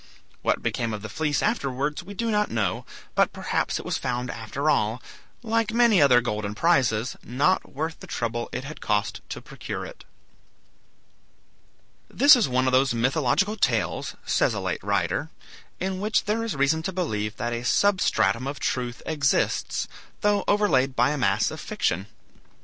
What became of the fleece afterwards we do not know, but perhaps it was found after all, like many other golden prizes, not worth the trouble it had cost to procure it. This is one of those mythological tales, says a late writer, in which there is reason to believe that a substratum of truth exists, though overlaid by a mass of fiction.